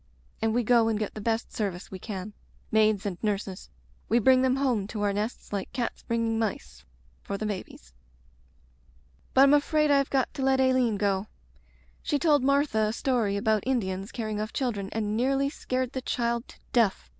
And we go and get the best service we can, maids and nurses; we bring them home to our nests like cats bringing mice — ^for the babies. .•." But Vm afraid Fve got to let Aileen go. She told Martha a story about Indians carrying off children and nearly scared the child to death.